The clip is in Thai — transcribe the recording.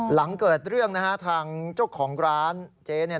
หลังเกิดเรื่องทางเจ้าของร้านเจ๊